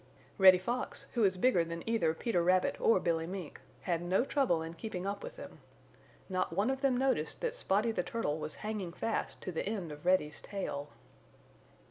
Reddy Fox, who is bigger than either Peter Rabbit or Billy Mink, had no trouble in keeping up with them. Not one of them noticed that Spotty the Turtle was hanging fast to the end of Reddy's tail.